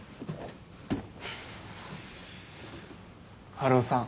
春尾さん。